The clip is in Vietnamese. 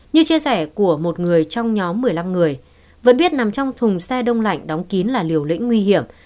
như chia sẻ của một người trong nhóm một mươi năm người vẫn biết nằm trong thùng xe đông lạnh đóng kín là liều lĩnh nguy hiểm